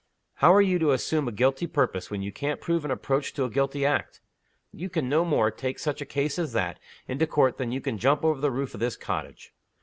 How are you to assume a guilty purpose, when you can't prove an approach to a guilty act? You can no more take such a case as that into Court than you can jump over the roof of this cottage."